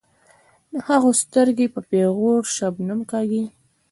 د هغو سترګې په پیغور شبنم کاږي.